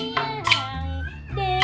con chú là